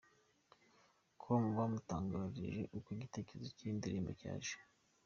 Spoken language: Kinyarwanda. com bamutangarije uko igitekerezo cy’iyi ndirimbo cyaje.